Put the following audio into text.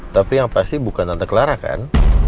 tapi yang pasti bukan tante clara kan